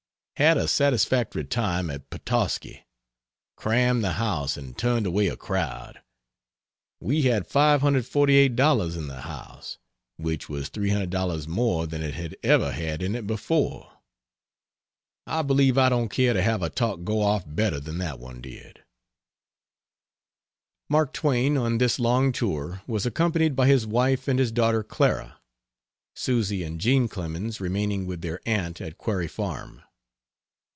Had a satisfactory time at Petoskey. Crammed the house and turned away a crowd. We had $548 in the house, which was $300 more than it had ever had in it before. I believe I don't care to have a talk go off better than that one did. Mark Twain, on this long tour, was accompanied by his wife and his daughter Clara Susy and Jean Clemens remaining with their aunt at Quarry Farm.